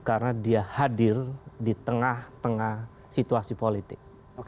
karena dia hadir di tengah tengah situasi politik